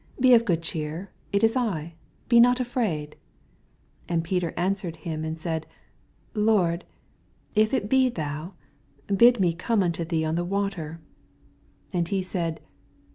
Be of good cheer ; it is I : be not afraid. 28 And Peter answered him and siud, Lord, if it be thou, bid me come unto thee on the water. 29 And he said.